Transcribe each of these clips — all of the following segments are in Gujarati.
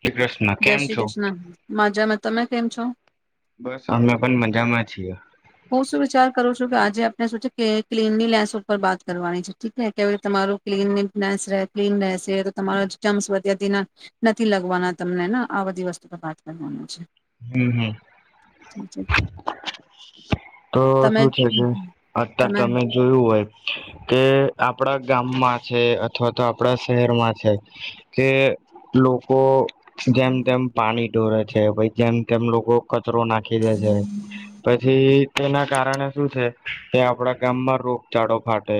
શ્રી કૃષ્ણ જય કેમ શ્રી છો કૃષ્ણ માજા મ તમે કેમ છો. બસ અમે પણ મજામાં છીએ. હું શું વિચાર કરું છું કે આજે આપણે શું છે કે ક્લીનની લેન્સ ઉપર વાત કરવાની છે ઠીકે કે તમારું ક્લીનન્સ ક્લીન રહેશે તો તમારા ચમ્સ વધના નથી લગવાના તમનેને આ બધી વસ્તુ પર વાત કરવાની છે. હમ્મ-હમ્મ. [unintelligible] તો તમે શું છે, કે અત્યારે તમે જોયું હોય. કે આપણા ગામમાં છે, અથવા તો આપડા શહેરમાં છે, કે લોકો જેમ તેમ પાણી દોરે છે, વૈજ્ઞાન તેમ લોકો કચરો નાખી દે છે, પછી એના કારણે શું છે, કે આપણા ગામમાં રોગચાળો ફાટે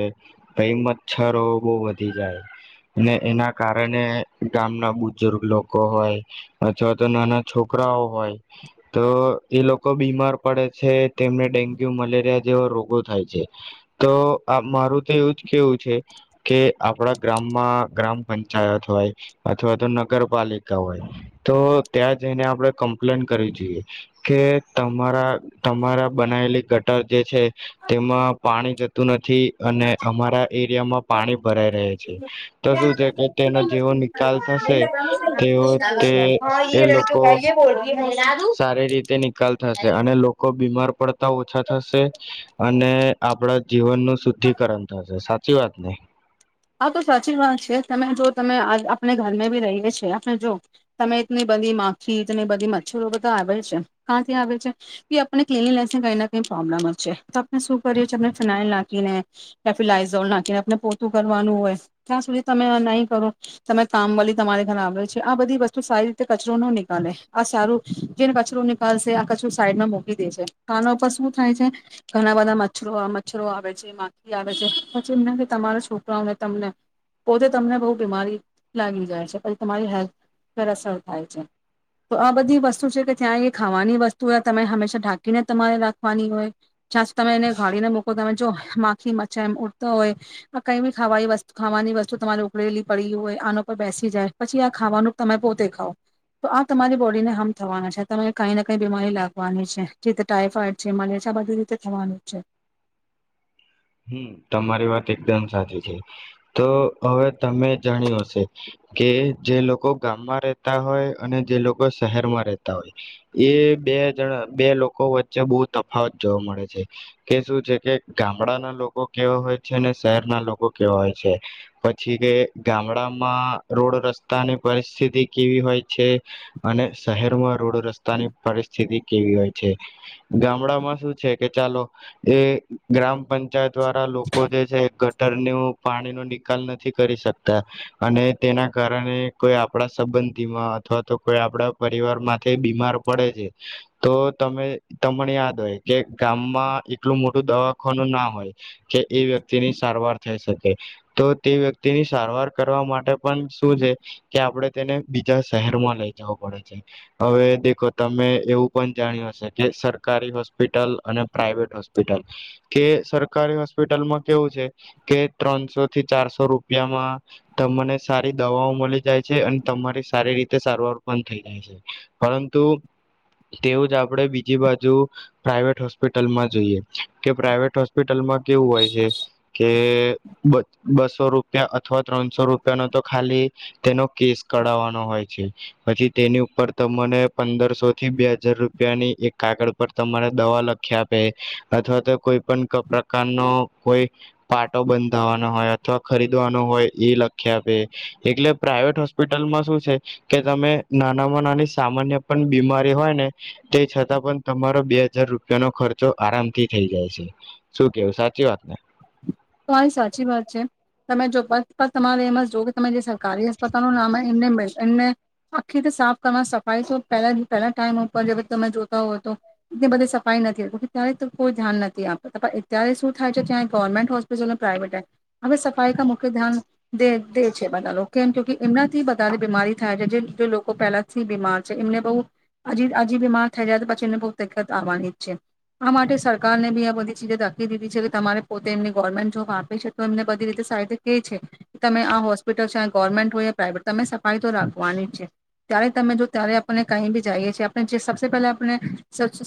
ભાઈ મચ્છરો બહુ વધી જાય અને એના કારણે ગામના બુજુર્ગ લોકો હોય અથવા તો નાના છોકરાઓ હોય તો એ લોકો બીમાર પડે છે. તેમને ડેન્ગ્યુ મલેરિયા જેવા રોગો થાય છે, તો આ મારું તો એવું જ કેવું છે, કે આપણા ગ્રામમાં ગ્રામ પંચાયત હોય અથવા તો નગરપાલિકા હોય તો ત્યાં જઈને આપણે કમ્પ્લેન કરવી જોઈએ કે તમારા તમારા બનાયલી ગટર જે છે. તેમાં પાણી જ [unintelligible] થી અને અમારા એરિયામાં પાણી ભરાઈ રહે છે, તો શું છે, કે તેનો જેવો નિકાલ થશે તેઓ તે એ લોકો સારી રીતે નિકાલ થશે અને લોકો બીમાર પડતા ઓછા થશે અને આપડા જીવન નું શુદ્ધિકરણ થશે સાચી વાત નહી આ તો સાચી વાત છે, તમે જો તમે આપણે ઘરમે બી રહીએ છીએ આપણે જો તમે એટલી બધી માખી એટલી બધી મચ્છરો બધા આવે છે, કાંથી આવે છે, કે આપને ક્લિનનેસ ને કંઈને કઈ પ્રોબ્લેમ જ છે, તો આપણે શું કરીએ છીએણે ફિનાઇલ નાખીને કે ફિલાઇઝોલ નાખીને આપ પોતું કરવાનું હોય ત્યાં સુધી તમે નહીં કરો તમે કામ વલી તમારે ઘરે આવે છે આ બધી વસ્તુ સારી રીતે કચરો ન નીિકાલે આ સારું જેને કચરો નીકળશે આ કચરો સાઈડમાં મકીલી દે છે, કાના ઉપર શું થાય છે, ઘણા બધા મચ્છરો મચ્છરો આવે છે માખી આવે છે, પછી એમ તમારો છોક તમને પોતે તમને બહુ બીમારી લાગી જાય છે, પછી તમારી હેલ્થ પર અસર થાય છે, તો આ બધી વસ્તુ છે, કે ત્યાં એ ખાવાની વસ્તુ હોય તમે હંમેશા ઢાંકીને તમારે રાખવાની હોય છં તમે એને ગાળીને મોકો તમે જો માખી મચ્ા એમ ઉઊડતો હોય કંઈ બી ખાવાતુ ખાવાની વસ્તુ તમારે ઉકળેલી પડી હોય આના પર બેસી જાય પછી આ ખાવાનું તમે પોતે ખાવ તો આ તમારી બોડીને હાર્મ થવાના છે, તમે કંઈ ના કઈ બીમારી લાગવાની છે, જેતે ટાઈફોાઈડ છે, મલેરિયા બધી રીતે થવાનું છે. હમ તમારી વાત એકદમ સાચી છે, તો હવે તમે જાણી્યું હશે કે જે લોકો ગામમાં રહેતા હોય અને જે લોકો શહેરમાં રહેતા હોય એ બે જણા બે લોકો વચ્ચે બહુ તફાવત જોવા મળે છે, કે શું છે, કે ગામ ગામડાના લોકો કેવા હોય છે, અનેને શહેરના લોકો કેવા હોય છે પછી કે ગામડામાં રોડ રસ્તાની પરિસ્થિતિ કેવી હોય છે, અને શહેરમાં રોડ રસ્તાની પરિસ્થિતિ કેવી હોય છે ગામડામાં શું છે, કે ચાલો એ ગ્રામ પંચાયત દ્વારા લોકો જે છે, ગટરનું પાણીનોો નિકાલ નથી કરી શકતા અને તેના કારણે કોઈ આપણા સંબંધીમાં અથવા તો કોઈ આપડા પરિવાર માંથી બીમાર પડે છે, તો તમે તમને યાદ હોય કે ગામમાં એટલું મોટું દવા ના હોય કે એ વ્યક્તિની સારવાર થઈ શકે તો તે વ્યક્તિની સારવાર કરવા માટે પણ શું છે કે આપણે તેને બીજા શહેરમાં લઈ જવું પડે છે હવે દેખો તમે એવું પણ જાણ્યું હશે કે સરકારી હોસ્પિટલ અને પ્રાાઈવેટ હોસ્પિટલ કે સરકારી હોસ્પિટલમાં કેવું છે, કે ત્રણસો થી ચારસો રૂપિયામાં તમને સારી દવાઓ મળી જાય છે, અને તમારી સારી રીતે સારવાર પણ થઈ જાય છે, પરંતુ તેવું જ આપણે બીજી બાજુ પ્રાઈવેટ હોસ્પિટલમાં જોઈએ કે પ્રાાઈવેટ હોસ્પિટલમાં કેવું હોય છે, કે બસો રૂપિયા અથવા ત્રણસો રૂપિયાનો તો ખાલી તેનો કેસ કઢાવવાનો હોય છે, પછી તેની ઉપર તમને પંદરસો થી બે હજાર રૂપિયાની એક કાગળ પર તમારે દવા લખી આપે અથવા કોઈ પણ પ્રકારનો કોઈ પાટો બંધાવાનો હોય અથવા ખરીદવાનો હોય એ લખી આપે એટલે પ્રાાઈવેટ હોસ્પિટલમાં શું છે, કે તમે નાનામાં નાની સામાન્ય પણ બીમારી હોય ને તે છતાં પણ તમારો બે હજાર રૂપિયાનો ખર્ચો આરામ થી થઈ જાય છે શું કેવું સાચી વાત ને તો આ એ સાચી વાત છે, તમે જો તમારે એમાં જ જો કે તમે જે સરકારી હસ્પતાાલ ન નામ એને મે એને આખી રીતે સાફ કરવા સફાઈ તો પહેલા પહેલા ટાઈમ ઉપર જે બધ તમે જોતા હોય, તો એટલી બધી સફાઈ નથીતી ત્યારે તો કોઈ ધ્યાન નથી, આપત અત્યારે શું થાય છે, જ્યાં ગવર્મેન્ટ હોસ્ પ્રઇવેટ હવે સફાઈ ક મુખ્ય ધ્યાને દે છે, બધા લોકો કેમ કે એમનાથી બારે બીમારી થાય છે, જે લોકો પહેલાથી બીમાર છે એમને બહજી આજી બીમાર થઈ જાય, પછી એમને બહ તત આવવાની જ છે, આ માટે સરકારને બી આ બધી ચીજે ધાકી દીધી છે, કે તમારે પોતે એમની ગવર્મેન્ટ જોબ આપે છે, તો એમને બધી રીતે સ કે છે કે તમે આ હોસ્પિટલ છે, ગવર્મેન્ટ હોય પ્રાઇવેટ તમે સફાઈ તો રાખવાની છે, ત્યારે તમે જો ત્યારે આપને કઈ બી જઈએ છીએ આપણે જે સબ પહેલા આપણે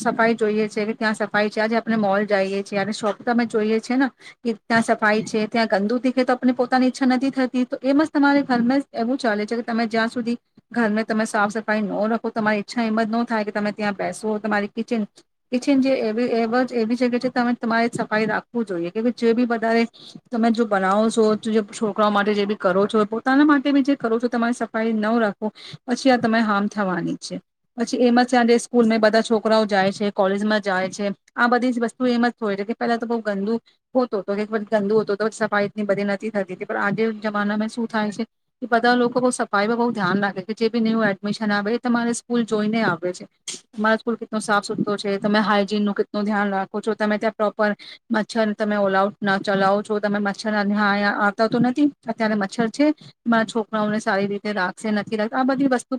સફાઈ જોઈએ છે, કે ત્યાં સફાઈ છે આજે આપણે મોલ જઈએ છીએ, અને શોપ તમે જોઈએ છે, ને કે ત્યાં સફાઈ છે, ત્યાં ગંદુ દીખે તો આપને પોતાની ઈચ્છા નથી થતી તો એ મ જ તમારે ઘરમાં જ એવું ચાલે છે કે તમે જ્યાં સુધી ઘરને તમે સાફ સફાઈ ન રાખો તમારી ઈચ્છા એમ જ ન થાય, કે તમે ત્યાં બેસો તમારી કિચન કિચન જે એવી એ એવી જગ્યા છે, તમારે સફાઈ રાખવીું જોઈએ, કે જે બી વધારે તમે જો બનાવો છો છોકરાઓ માટે જે બી કરો છો, પોતાના માટે બી જે કરો છો તમારી સફાઈ ન રાખો પછી આ તરે હાર્મ થવાની છે પછી એમ જ ત્યાં જે સ્કૂલ બધા છોકરાઓ જાય છે, કોલેજમાં જાય છે આ બધી જ વસ્તુ એમ જ થ હોય છે, કે પહેલા તો બહ ગંદુ હોતો તોધ ગંદુ હોતું તો સફાઈ એટલી બધી નથી થતી પણ આજે જમાનામાં શું થાય છે, કે બધા લોકો બહ સફાઈ પર બહુ ધ્યાન રાખે કે જે બી નવ એડમિશન આવે એ તમારે સ્કૂલ જોઈને આવે છે, તમારા સ્કૂલ કેટલો સાફ સુથરો છે, તમે હાજીન નું કેટલું ધ્યાન રાખો છો તમે ત્યાં પ્રોપર મચ્છર તમે ઓલઉટ ચલાવો છો તમે મચ્છર આવતા તો નથી અત્યારે મચ્છર છે, મારા છોકરાઓને સારી રીતે રાખશે નથી, રા આ બધી વસ્તુ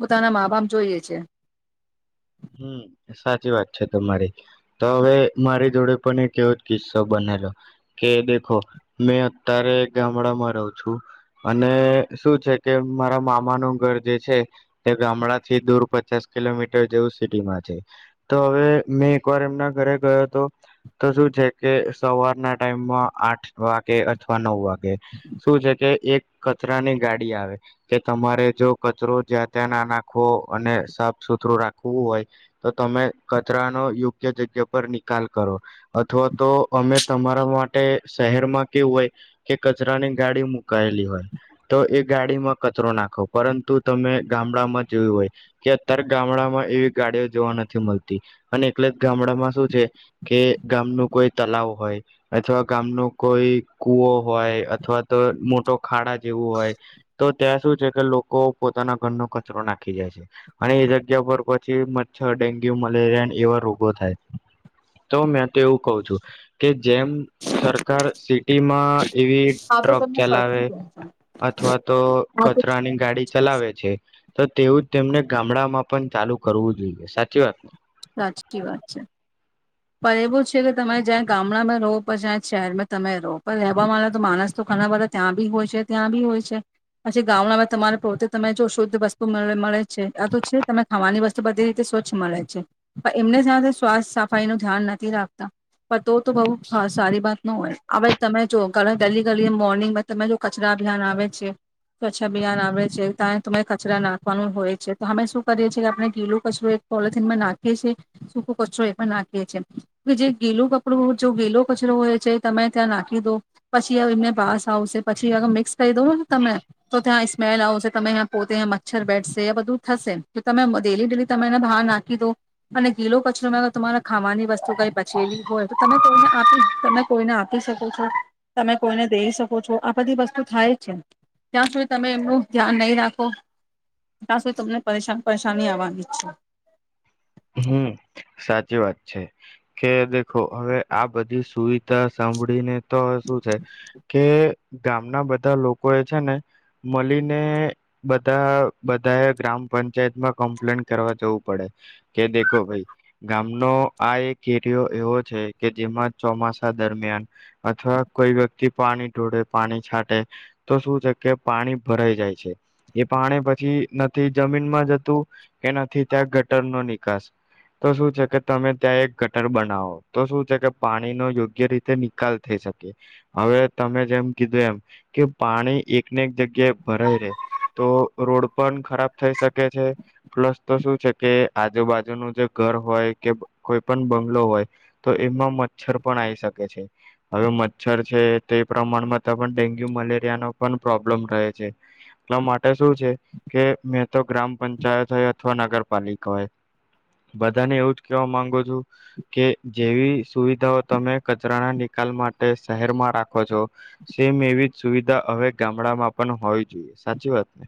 પોતાના મા બાપ જોઈએ છે. હમ સાચી વાત છે, તમારી તો હવે મારી જોડે પણ એક એવો જ કિસ્સો બનેલો કે દેખો મેં અત્યારે ગામડામાં રહું છું, અને શું છે કે મારા મામાનું ઘર જે છે, તે ગામડા થી દૂર પચાસ કિલોમીટર જેવું તો હવે મેં એકવાર એમના ઘરે ગયો હતો તો શું છે, કે સવારના ટાઈમમાં આઠ વાગે અથવા નવ વાગે શું છે, કે એક કચરાની ગાડી આવે કે તમારે જો કચરો જ્યાં ત્યાં ના નાખવો અને સાફ સુથરું રાખ વું હોય તો તમે કચરાનો યોગ્ય જગ્યા પર નિકાલ કરો, અથવા તો અમે તમારા માટે શહેરમાં કેવું હોય, કે કચરાની ગાડી મુકાયેલી હોય, તો એ ગાડીમાં કચરો નાખો પરંતુ તમે ગામડામાં જોવું હોય, કે અત્યારે ગામડામાં એવી ગાડીઓ જોવા નથી મળતી, અને એટલે જ ગામડામાં શું છે, કે ગામનું કોઈ તલાવ હોય અથવા ગામનું કોઈ કૂવો હોય અથવા તો મોટો ખાડા જેવું હોય, તો ત્યાં શું છે કે લોકો પોતાના ઘરનો કચરો નાખી જાય છે, અને એ જગ્યા પર મચ્છર ડેન્ગ્યુ મલેરિયા એવા રોગો થાય તો મેં તો એવું કઉ છું કે જેમ સરકાર સિટીમાં એવી હા તો ટ્રક તમને સાચું ચલાવે કહો અથવા તો છો. કચરાની ગાડી ચલાવે છે, તો તેવું જ તેમને ગામડા માં પણ ચાલુ કરવું જોઈએ, સાચી વાત ને? સાચકી વાત છે. પણ એવું છે, કે તમે જ્યાં ગામડામાં રહો પ જ શહેરમાં તમે રહો પણ રહેવા વાળા તો માણસ તો ઘણા બધા ત્યાં બી હોય છે, ત્યાં બી હોય છે પછી ગામડામાં તમારે પોતે તમે જો શુદ્ધ વસ્તુ મળે છે, આ તો છે તમે ખાવાની વસ્તુ બધી રીતે સ્વચ્છ મળે છે, પણ એમને સાથે શવાસ સા સફાઈ નું ધ્યાન નથી, રાખતા પણ તો તો બઉ સારી વાત ન હોય હવે તમે જો ઘ ગલી ગલી મોર્નિંગમાં તમે જો કચરા અભિયાન આવે છે, કવચ્છ અભિયાન આવે છે, ત તમારે કચરા નાખવાનું હોય છે, તો અમે શું કરીએ છીએ, કે આપણે ગીલું કચરો એક પોલલીથીનમાં નાખી છીએ સૂકો કચરો એ પણ નાખી. કે જે ગેલું કપડું જો ગેલો કચરો હોય છે, તમે ત્યાં નાખી દો પછી એમને ભાસ આવશે પછી મિક્સ કહી દઉ તમે તો ત્યાં મેલ આવશે તમે્યાં પોતેયા મચ્છર બેઠશે બધું થશે, તો તમે ડેલી ડેલી તમે એને બહાર નાખીો અને ગીલો કચરો મે તમારા ખાવાની વસ્તુ કઈ બચેલી હોય તો તમે કોઈને આપી તમે કોઈને આપી શકો છો, તમે કોઈને દેઈ શકો છો, આ બધી વસ્તુ થાય છે, ને ત્યાં સુધી તમે એમનું ધ્યાન નહીં, રાખો ત્યાં સુધી તમને પરેશાન પરેશાની આવવાની છે. હમ સાચી વાત છે કે દેખો હવે આ બધી સુવિધા સાંભળીને તો શું છે કે ગામના બધા લોકો એ છે ને મળીને બધા બધાએ ગ્રામ પંચાયતમાં કમ્પ્લેન કરવા જવું પડે કે દેખો ભાઈ ગામનો આ એક એરિયો એવો છે, કે જેમાં ચોમાસા દરમિયાન અથવા કોઈ વ્યક્તિ પાણી ઢોળે પાણી છાંટે તો શું છે, કે પાણી ભરાઈ જાય છે એ પાણી પછી નથી જમીનમાં જતું કે નથી, ત્યાં ગટર ન ની તો શ છે કે તમે ત્યાં એક ગટર બનાવો તો શું છે, કે પાણી નો યોગ્ય રીતે નિકાલ થઈ શકે હવે તમે જેમ કીધું એમ કે પાણી એકને એક જગ્યાએ ભરાઈ રે તો રોડ પણ ખરાબ થઈ શકે છે, પ્લસ તો શું છે કે જુ બાજુ ન જે ઘર હોય કે કોઈ પણ બંગલો હોય, તો એમાં મચ્છર પણ આવીઈ શકે છે, હવે મચ્છર છે તે પ્રમાણમાં તો પણ ડેન્ગ્યુ મલેરિયા ન પણ પ્રોબ્લેમ રહે છે, એટલા માટે શું છે કે મેં તો ગ્રામ પંચાયત હોય અથવા નગરપાલિકા હોય, બધાને એવું જ કેવા માંગુ છું કે જેવી સુવિધાઓ તમે કચરાના નિકાલ માટે શહેરમાં રાખો છો, સેમ એવી જ સુવિધા હવે ગામડામાં પણ હોવી જોઈએ, સાચી વાતને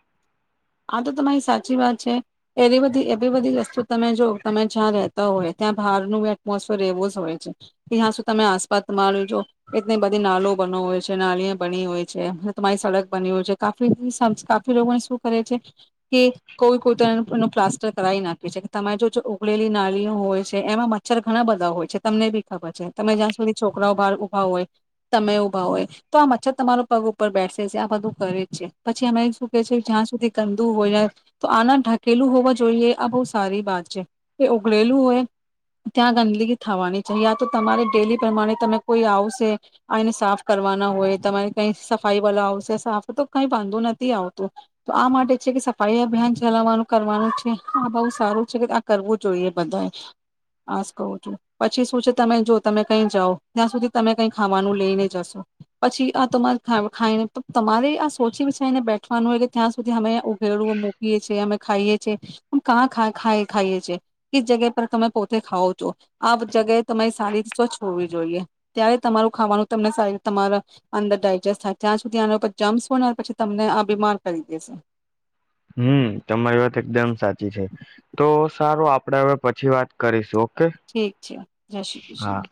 આ તો તમારી સાચી વાત છે, એ બધી એ બધી વસ્તુ તમે જો તમે જ્યાં રહેતા હોય ત્યાં બહારનુંી એટમોસફિયર એવો જ હોય છે, કે હ્યાં શું તમે આસપાસ માજો એટલી બધી નાલો બનવ હોય છે, નાળય બની હોય છે તમારી સડક બની હોય છે, કાફી કાફીને શું છે કે કોઈ કોઈ પ્લાસ્ટર કરાવી નાખ્યું છે કે તમે જો ઉગળેલી નાળીઓ હોય છે, એમાં મચ્છર ઘણા બધા હોય છે તમને બી ખબર છે, તમે જ્યાં સુધી છોકરાઓ બહાર ઉભા હોય તમે ઉભા હોય, તો આ મચ્છર તમારો પગ ઉપર બેઠસે છે, આ બધું કરે જ છે પછી અમે શું કે છે જ્યાં સુ ગંદુ હોય તો આના ઢકેલું હોવા જોઈએ આ બહુ સારી વાત છે, એ ઉઘળેલું હોય ત્યાં ગંદગી થવાની છે, યા તો તમારે ડેલી પ્રમાણે તમે કોઈ આવશે આને સાફ કરવાના હોય તમારે કઈ સફાઈ વાળ આવશે સાફ તો કઈ વાંધો નથી, આવતું તો આ માટે છે કે સફાઈ અભિયાન ચલાવવાનું કરવાનું છે આ બહુ સારું છે, કે આ કરવું જોઈએ બધાએ આસ કું છું પછી શું છે, તમે જો તમે કઈ જાઓ ત્યાં સુધી તમે કઈ ખાવાનું લઈને જશો પછી આ તમારે ખાઈને તમારે આ સોચી વિચારીને બેઠવાનું હો કે ત્યાં સુધી અમે ઉઘેડું મૂકીએ છીએ અમે ખાઈએ છીએ, પણ કાં ખ ખાઈએ છીએ કે જગ્યા પર તમે પોતે ખાવ છો આ જગ્યાએ તમારે સારી રીતે સ્વચ્છ હોવી જોઈએ, ત્યારે તમારું ખાવાનું તમને સારીી તમારા અંદર ડાયજેસ્ટ થાય ત્યાં સુધી આનાર જમ્પસ હો પછી, તમને આ બીમાર કરી દે છે, હમ તમારી વાત એકદમ સાચી છે, તો સારું આપડે હવે પછી વાત કરીશું. ઓકે ઠીક છે, જય શ્રી હા કૃષ્ણ